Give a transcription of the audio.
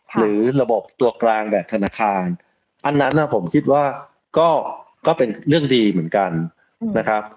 หรือระบบตัวกลางแบบธนาคารอันนั้นผมคิดว่าก็เป็นเรื่องดีเหมือนกันนะครับ